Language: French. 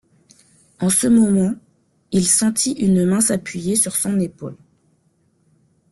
En ce moment, il sentit une main s’appuyer sur son épaule.